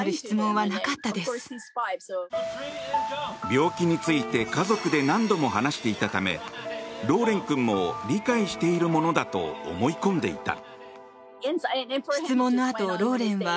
病気について家族で何度も話していたためローレン君も理解しているものだと思い込んでいた。